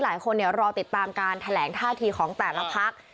หลายคนรอติดตามการแถลงท่าทีของแต่ละพัก